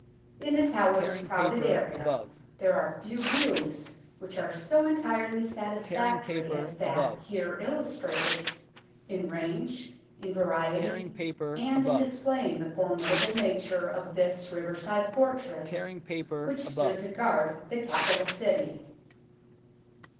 In The Towers crowded area there are few views which are so entirely satisfactory as that here illustrated, in range, in variety, and in displaying the formidable nature of this riverside fortress, which stood to guard the capital City.